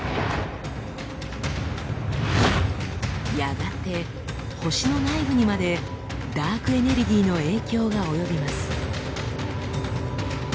やがて星の内部にまでダークエネルギーの影響が及びます。